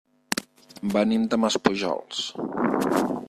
Venim de Maspujols.